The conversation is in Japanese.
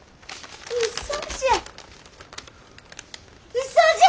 うそじゃ！